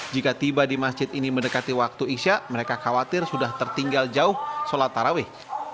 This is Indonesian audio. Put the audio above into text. jika tiba di masjid ini mendekati waktu isya mereka khawatir sudah tertinggal jauh sholat tarawih